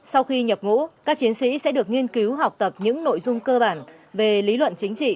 sau khi nhập ngũ các chiến sĩ sẽ được nghiên cứu học tập những nội dung cơ bản về lý luận chính trị